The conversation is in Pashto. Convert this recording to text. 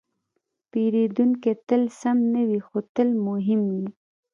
پیرودونکی تل سم نه وي، خو تل مهم وي.